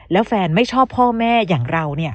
แล้วแฟนไม่ชอบพ่อแม่อย่างเรา